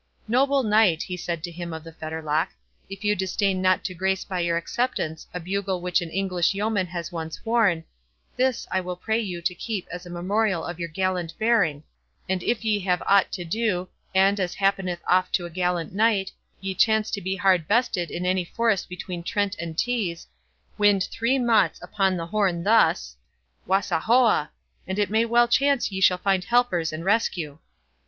"Noble knight." he said to him of the Fetterlock, "if you disdain not to grace by your acceptance a bugle which an English yeoman has once worn, this I will pray you to keep as a memorial of your gallant bearing—and if ye have aught to do, and, as happeneth oft to a gallant knight, ye chance to be hard bested in any forest between Trent and Tees, wind three mots 42 upon the horn thus, 'Wa sa hoa!' and it may well chance ye shall find helpers and rescue."